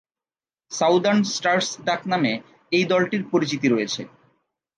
Southern Stars ডাকনামে এ দলটির পরিচিতি রয়েছে।